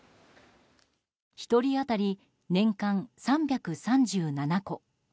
１人当たり年間３３７個。